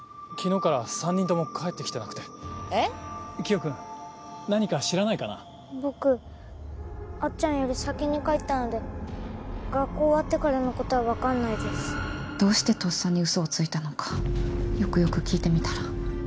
昨日から３人とも帰って来てなくて僕あっちゃんより先に帰ったので学校終わってからのことは分かんないですどうしてとっさにウソをついたのかよくよく聞いてみたら。